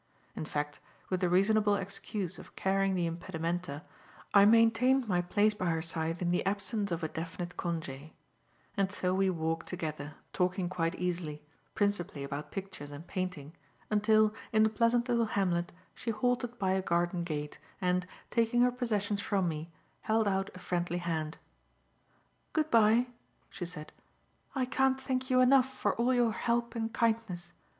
In fact, with the reasonable excuse of carrying the impedimenta, I maintained my place by her side in the absence of a definite conge; and so we walked together, talking quite easily, principally about pictures and painting, until, in the pleasant little hamlet, she halted by a garden gate, and, taking her possessions from me, held out a friendly hand. "Good bye," she said. "I can't thank you enough for all your help and kindness.